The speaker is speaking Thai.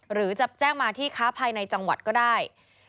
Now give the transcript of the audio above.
หรือจะแจ้งมาที่ค้าภายในจังหวัดก็ได้